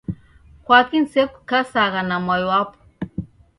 Kwaki nisekukasagha na mwai wapo?